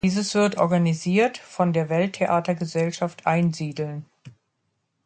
Dieses wird organisiert von der Welttheater Gesellschaft Einsiedeln.